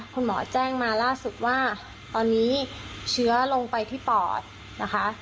คุณหมอแจ้งมาล่าสุดว่าตอนนี้เชื้อลงไปที่ปอดนะคะ